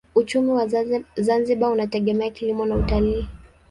Uchumi wa Zanzibar unategemea kilimo na utalii.